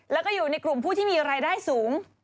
แล้วก็อยู่ในกลุ่มผู้ที่มีรายได้สูง